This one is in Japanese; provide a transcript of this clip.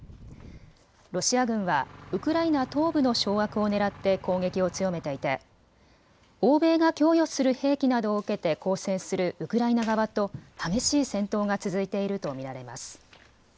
ロシア軍はウクライナ東部の掌握をねらって攻撃を強めていて欧米が供与する兵器などを受けて抗戦するウクライナ側と激しい戦闘が続いていると見られます。